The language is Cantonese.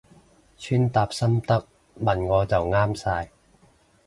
穿搭心得問我就啱晒